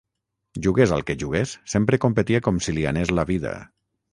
Jugués al que jugués, sempre competia com si li anés la vida.